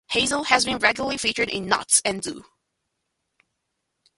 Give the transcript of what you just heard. Hazell has been regularly featured in "Nuts" and "Zoo".